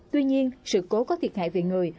tuy nhiên sự cố có thiệt hại về người